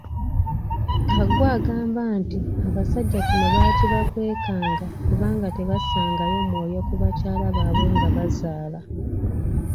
Kaggwa agamba nti abasajja kino baakibakwekanga kubanga tebassangayo mwoyo ku bakyala baabwe nga bazaala.